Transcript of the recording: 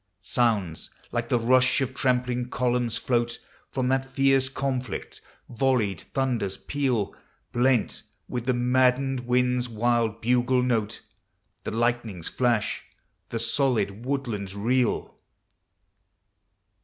Sounds like the msh of trampling columns floai Fn.n, thai derce conflict; volleyed thunders peal, Blenl will, the maddened wind's wild bugle note; The lightnings Hash, He solid woodlands reel.